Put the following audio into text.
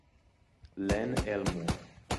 Len Elmore